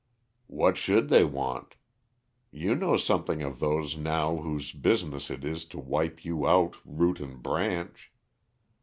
"What should they want? You know something of those now whose business it is to wipe you out root and branch.